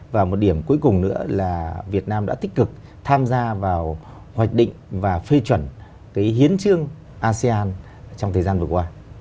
và một điểm cuối cùng nữa là việt nam đã tích cực tham gia vào hoạch định và phê chuẩn cái hiến trương asean trong thời gian vừa qua